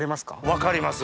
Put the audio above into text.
分かります。